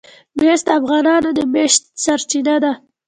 مس د افغانانو د معیشت سرچینه ده.